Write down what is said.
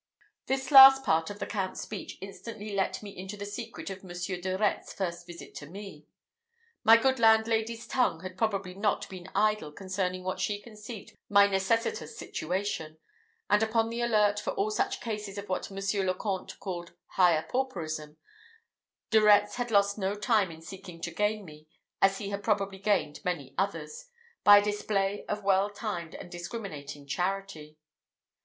This last part of the Count's speech instantly let me into the secret of Monsieur de Retz's first visit to me. My good landlady's tongue had probably not been idle concerning what she conceived my necessitous situation; and, upon the alert for all such cases of what Monsieur le Comte called higher pauperism, De Retz had lost no time in seeking to gain me, as he had probably gained many others, by a display of well timed and discriminating charity.